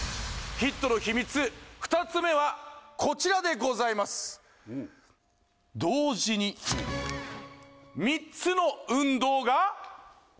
２つ目はこちらでございます同時に３つの運動が！